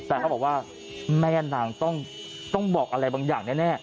แต่เขาบอกว่าแม่นางต้องบอกอะไรบางอย่างแน่